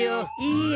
いいえ